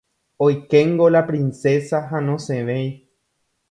Oikéngo la princesa ha nosẽvéi.